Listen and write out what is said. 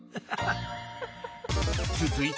［続いて］